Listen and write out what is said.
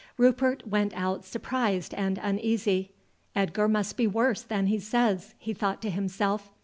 Rupert went out surprised and uneasy. "Edgar must be worse than he says," he thought to himself.